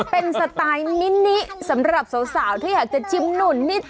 เป็นสไตล์มินิสำหรับสาวที่อยากจะชิมหนุ่นนิด